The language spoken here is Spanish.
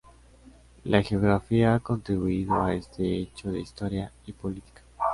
La geografía ha contribuido a este hecho de historia y política.